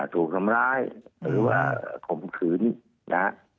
ถูกทำร้ายหรือว่าขมขืน